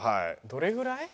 どれぐらい？